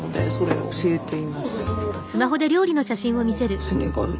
はい。